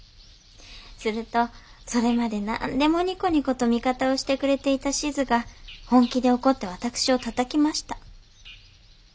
するとそれまでなんでもニコニコと味方をしてくれていたしづが本気で怒って私をたたきました。